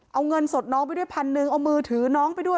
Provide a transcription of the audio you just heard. เอาเงินสดน้องไปด้วยพันหนึ่งเอามือถือน้องไปด้วย